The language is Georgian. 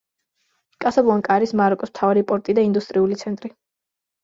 კასაბლანკა არის მაროკოს მთავარი პორტი და ინდუსტრიული ცენტრი.